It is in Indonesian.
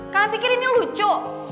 kalian pikir ini lucu